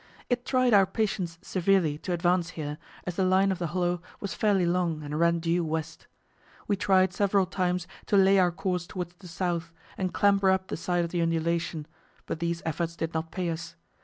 It tried our patience severely to advance here, as the line of the hollow was fairly long and ran due west. We tried several times to lay our course towards the south and clamber up the side of the undulation, but these efforts did not pay us.